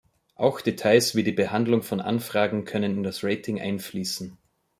Auch Details wie die Behandlung von Anfragen können in das Rating einfließen.